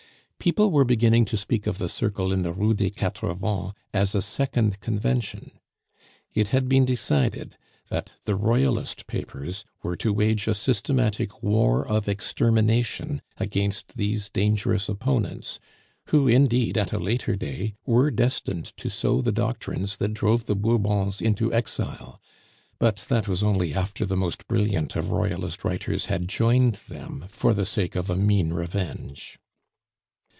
People were beginning to speak of the circle in the Rue des Quatre Vents as a second Convention. It had been decided that the Royalist papers were to wage a systematic war of extermination against these dangerous opponents, who, indeed, at a later day, were destined to sow the doctrines that drove the Bourbons into exile; but that was only after the most brilliant of Royalist writers had joined them for the sake of a mean revenge.